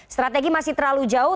strategi masih terlalu jauh